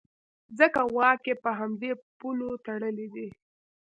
ځکه واک یې په همدې پولو تړلی دی.